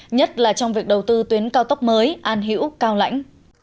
nhất là trong việc đầu tư tuyến cao tốc mới an hữu cao lãnh